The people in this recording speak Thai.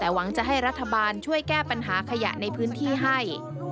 แต่หวังจะให้รัฐบาลช่วยแก้ปัญหาขยะในพื้นที่ให้